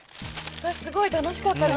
私すごい楽しかったです。